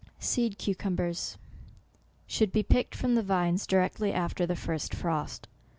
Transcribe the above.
SEED CUCUMBERS should be picked from the vines directly after the first frost.